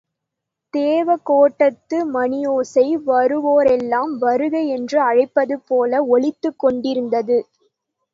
தேவகோட்டத்து மணியோசை வருவோரெல்லாம் வருக என்று அழைப்பதுபோல் ஒலித்துக் கொண்டிருந்தது.